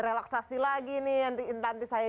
relaksasi lagi nih nanti saya